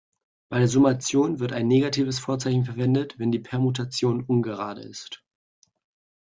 Bei der Summation wird aber ein negatives Vorzeichen verwendet, wenn die Permutation ungerade ist.